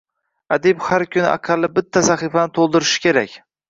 adib har kuni aqalli bitta sahifani to’ldirishi kerak